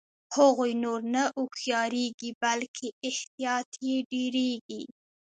هغوی نور نه هوښیاریږي بلکې احتیاط یې ډیریږي.